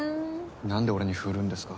何で俺に振るんですか。